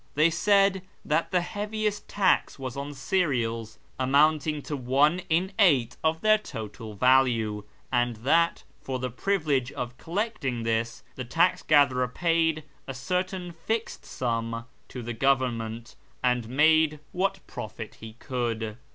They said that the heaviest tax was on cereals, amounting to 1 in 8 of their total value, and that for the privilege of collecting this the tax gatherer paid a certain fixed sum to the Govern ment and made what profit he could.